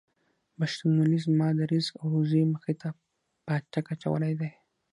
پښتونولۍ زما د رزق او روزۍ مخې ته پاټک اچولی دی.